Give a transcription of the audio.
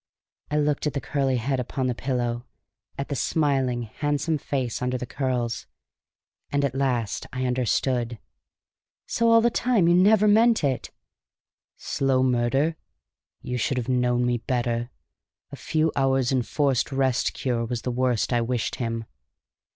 I looked at the curly head upon the pillow, at the smiling, handsome face under the curls. And at last I understood. "So all the time you never meant it!" "Slow murder? You should have known me better. A few hours' enforced Rest Cure was the worst I wished him."